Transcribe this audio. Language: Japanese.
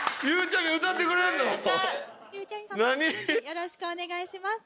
よろしくお願いします。